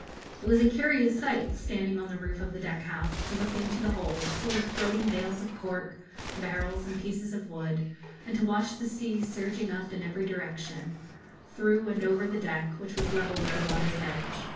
It was a curious sight, standing on the roof of the deck house, to look into the hold, full of floating bales of cork, barrels, and pieces of wood, and to watch the sea surging up in every direction, through and over the deck, which was level with the water's edge.